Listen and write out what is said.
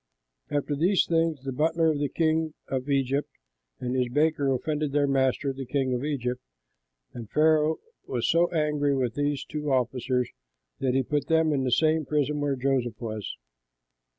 After these things the butler of the king of Egypt and his baker offended their master the king of Egypt, and Pharaoh was so angry with these two officers that he put them in the same prison where Joseph was.